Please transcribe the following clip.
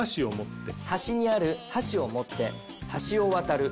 端にある箸を持って橋を渡る。